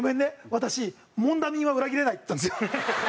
私モンダミンは裏切れない」って言ったんですよ。